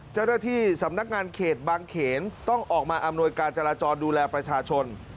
เจ้าหน้าที่สำนักงานเขตบางเขนต้องออกมาอำนวยการจราจรดูแลประชาชน